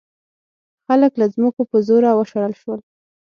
خلک له ځمکو په زوره وشړل شول.